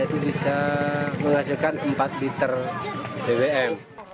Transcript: itu bisa menghasilkan empat liter bbm